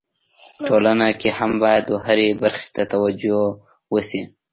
ټولنه کي هم باید و هري برخي ته توجو وسي.